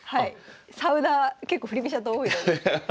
サウナー結構振り飛車党多いので。